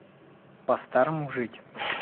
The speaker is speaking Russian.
По старому жить?